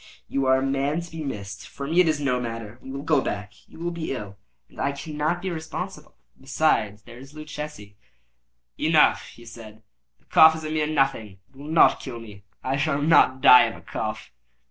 You are a man to be missed. For me it is no matter. We will go back; you will be ill, and I cannot be responsible. Besides, there is Luchesi—" "Enough," he said; "the cough is a mere nothing; it will not kill me. I shall not die of a cough."